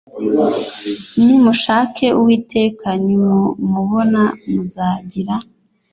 Nimushake Uwiteka Nimumubona muzagira